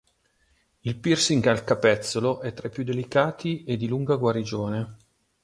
Il piercing al capezzolo è tra i più delicati e di lunga guarigione.